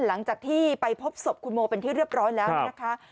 หลังจากที่ไปพบศพคุณโมเป็นที่เรียบร้อยแล้วนะคะ